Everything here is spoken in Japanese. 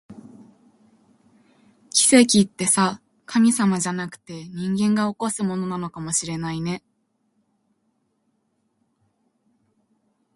奇跡ってさ、神様じゃなくて、人間が起こすものなのかもしれないね